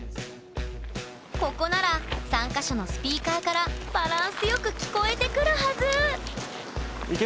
ここなら３か所のスピーカーからバランスよく聞こえてくるはず！